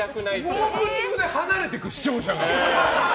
オープニングで離れていく視聴者が。